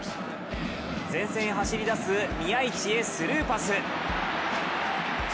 前線へ走りだす宮市へスルーパス。